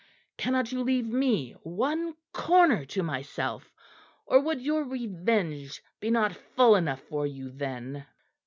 Cannot you leave me one corner to myself, or would your revenge be not full enough for you, then?"